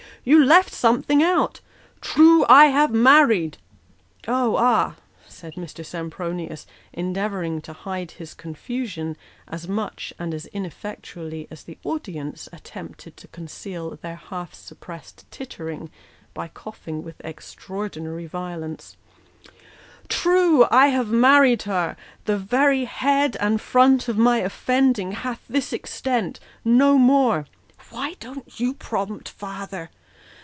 " You've left out something. ' True I have married '"" Oh, ah !" said Mr. Sempronius, endeavouring to hide his confusion as much and as ineffectually as the audience attempted to conceal their half suppressed tittering, by coughing with extraordinary violence "' true I have married her; The very head and front of my offending Hath this extent; no more. 1 ( Aside) Why don't you prompt, father